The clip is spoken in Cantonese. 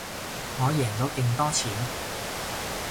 我贏咗勁多錢